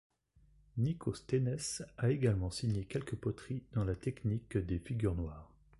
Nicosthénès a également signé quelques poteries dans la technique des figures noires.